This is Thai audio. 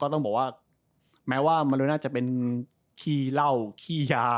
ก็ต้องบอกว่าหมาว่ามาโลน่าเป็นขี้เหล้าขี้ยา